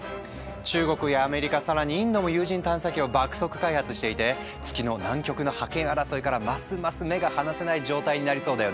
中国やアメリカ更にインドも有人探査機を爆速開発していて月の南極の覇権争いからますます目が離せない状態になりそうだよね。